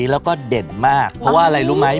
แล้วก็เด่นมากเพราะว่าอะไรรู้ไหม